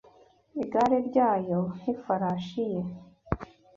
igare ryayo, nifarashi ye